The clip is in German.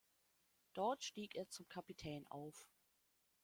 Dort stieg er zum Kapitän auf.